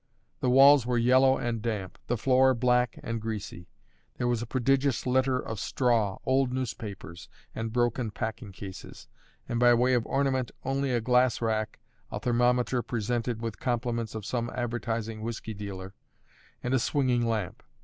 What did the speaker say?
The walls were yellow and damp, the floor black and greasy; there was a prodigious litter of straw, old newspapers, and broken packing cases; and by way of ornament, only a glass rack, a thermometer presented "with compliments" of some advertising whiskey dealer, and a swinging lamp.